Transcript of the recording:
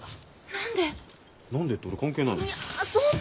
何でって俺関係ないもん。